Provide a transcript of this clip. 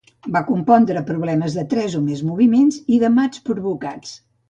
Va compondre problemes de tres o més moviments i de mats provocats.